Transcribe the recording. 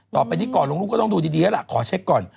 ต่อไปนี้ก่อนลงรูปก็ต้องดูดีแล้วล่ะขอเช็คก่อน